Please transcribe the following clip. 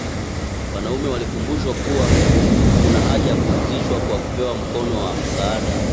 wanaume walikumbushwa kuwa kuna haja ya kupumzishwa kwa kupewa mkono wa msaada